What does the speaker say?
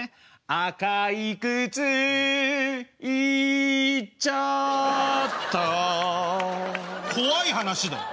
赤い靴行っちゃった怖い話だよ。